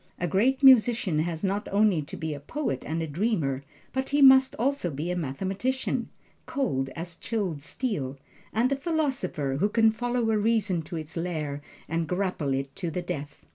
A Great Musician has not only to be a poet and a dreamer, but he must also be a mathematician, cold as chilled steel, and a philosopher who can follow a reason to its lair and grapple it to the death.